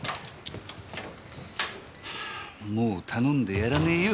もう頼んでやらねぇよ！